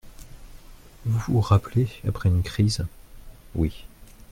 Vous vous rappelez, après une crise ? Oui.